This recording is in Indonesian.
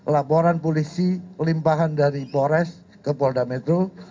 laporan polisi limpahan dari polres ke polda metro